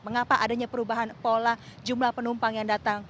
mengapa adanya perubahan pola jumlah penumpang yang datang